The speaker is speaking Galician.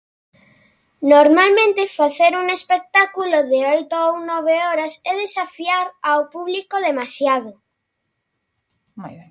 Normalmente facer un espectáculo de oito ou nove horas é desafiar ao público demasiado.